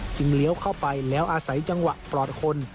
เลี้ยวเข้าไปแล้วอาศัยจังหวะปลอดคน